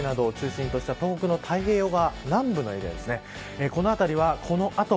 特に仙台などを中心とした東北の太平洋側南部のエリアですね。